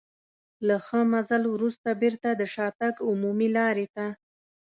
له ښه مزل وروسته بېرته د شاتګ عمومي لارې ته.